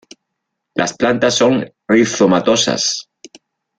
Las plantas son rizomatosas.